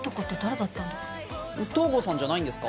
東郷さんじゃないんですか？